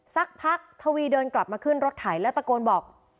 สักพักทวีเดินกลับมาขึ้นรถไถแล้วตะโกนบอก